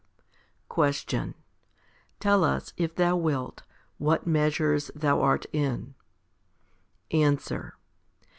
6. Question. Tell us, if thou wilt, what measures thou art in ? Answer.